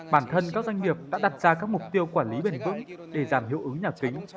bản thân các doanh nghiệp đã đặt ra các mục tiêu quản lý bền vững để giảm hiệu ứng nhà kính